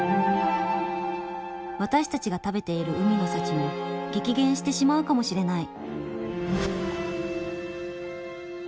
私たちが食べている海の幸も激減してしまうかもしれない。